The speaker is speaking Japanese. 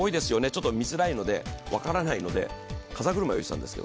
ちょっと見づらいので分からないので、風車用意したんですよ。